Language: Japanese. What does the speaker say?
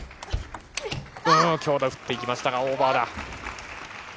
強打、打っていきましたが、オーバーだ。